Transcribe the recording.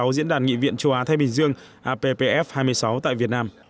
diễn đàn nghị viện châu á thái bình dương appf hai mươi sáu tại việt nam